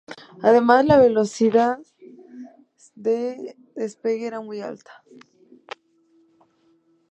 Además, la velocidad de despegue era muy alta.